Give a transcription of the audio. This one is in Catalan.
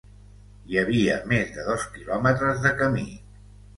Hi havia més de dos quilòmetres de camí